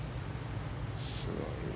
すごいな。